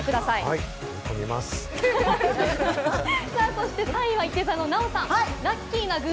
そして３位は、いて座のナヲさん。